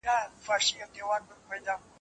زوی یې وویل غم مه کوه بابکه